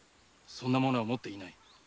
そんな物は持っていない。